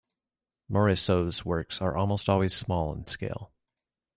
Morisot's works are almost always small in scale.